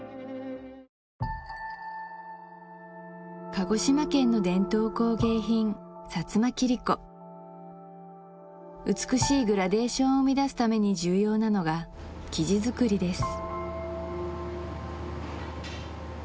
鹿児島県の伝統工芸品美しいグラデーションを生みだすために重要なのが生地作りです